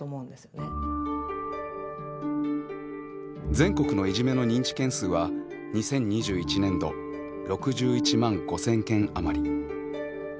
全国のいじめの認知件数は２０２１年度６１万５，０００件余り。